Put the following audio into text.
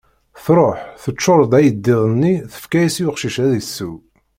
Tṛuḥ, teččuṛ-d ayeddid-nni, tefka-as i uqcic ad isew.